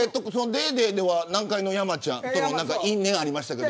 ＤａｙＤａｙ．では南海の山ちゃんとの因縁がありましたけど。